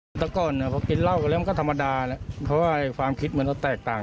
เมื่อก่อนกินร่าวก็เรื่องก็ธรรมดาเพราะว่าความคิดมันจะแตกต่าง